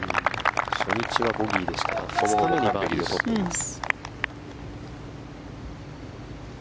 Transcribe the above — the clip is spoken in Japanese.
初日はボギーでしたが２日目にバーディーを取っています。